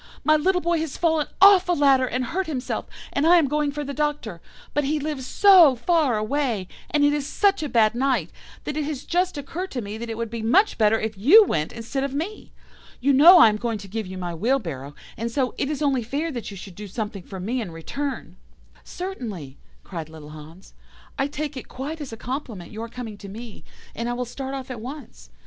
My little boy has fallen off a ladder and hurt himself, and I am going for the Doctor. But he lives so far away, and it is such a bad night, that it has just occurred to me that it would be much better if you went instead of me. You know I am going to give you my wheelbarrow, and so, it is only fair that you should do something for me in return.' "'Certainly,' cried little Hans, 'I take it quite as a compliment your coming to me, and I will start off at once.